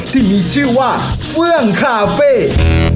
ที่มีชื่อว่าเฟื่องคาเฟ่